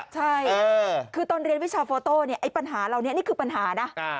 ใช่คือตอนเรียนวิชาโฟโต้เนี่ยไอ้ปัญหาเหล่านี้นี่คือปัญหานะ